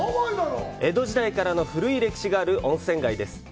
江戸時代からの古い歴史がある温泉街です。